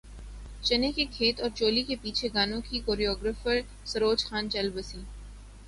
چنے کے کھیت اور چولی کے پیچھے گانوں کی کوریوگرافر سروج خان چل بسیں